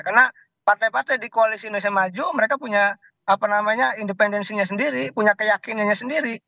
karena partai partai di koalisi indonesia maju mereka punya independensinya sendiri punya keyakinannya sendiri